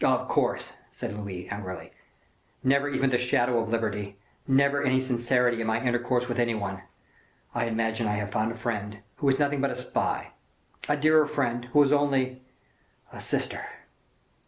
"Of course," said Louis, angrily; "never even the shadow of liberty! never any sincerity in my intercourse with any one! I imagine I have found a friend, who is nothing but a spy; a dearer friend, who is only a sister!"